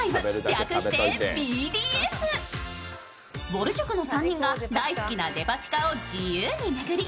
ぼる塾の３人が大好きなデパ地下を自由に巡り